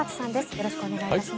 よろしくお願いします。